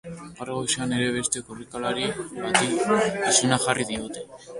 Gaur goizean ere beste korrikalari bati isuna jarri diote.